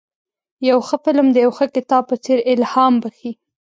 یو ښه فلم د یو ښه کتاب په څېر الهام بخښي.